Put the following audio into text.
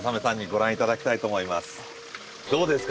どうですか？